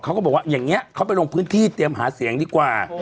เขาก็บอกว่าอย่างนี้เขาไปลงพื้นที่เตรียมหาเสียงดีกว่า